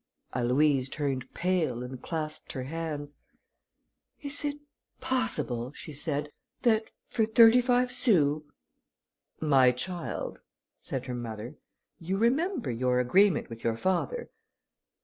Aloïse turned pale and clasped her hands. "Is it possible," she said, "that for thirty five sous...." "My child," said her mother, "you remember your agreement with your father."